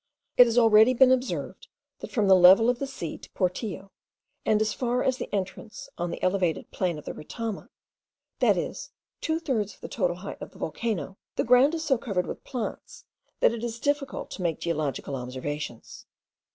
It has already been observed, that from the level of the sea to Portillo, and as far as the entrance on the elevated plain of the Retama, that is, two thirds of the total height of the volcano, the ground is so covered with plants, that it is difficult to make geological observations.